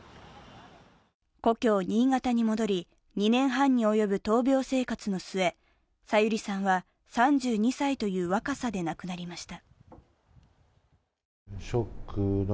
故郷・新潟に戻り、２年半に及ぶ闘病生活の末、小百合さんは３２歳という若さで亡くなりました。